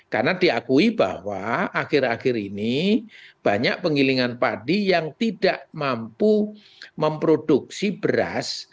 karena diakui bahwa akhir akhir ini banyak penggilingan padi yang tidak mampu memproduksi beras